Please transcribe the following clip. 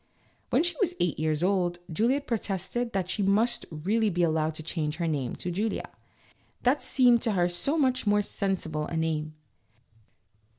When she was eight years old Juliette protested that she must really be allowed to change her name to Julia ; that seemed to her so much more sensible a name.